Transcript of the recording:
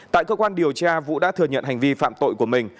tại cơ quan điều tra vũ đã thừa nhận hành vi phạm tội của mình